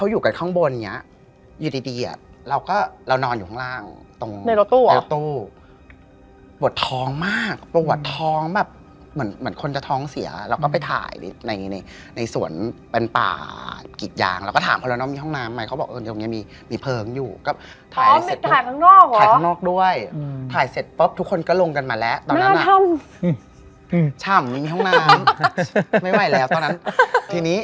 อยู่ตรงนั้นพราบว่าอย่างน้อยก็ลองไปอาบน้ำมนต์